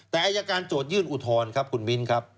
แต่อายการโจทยื่นอุทธรณ์ครับคุณมิ้นครับ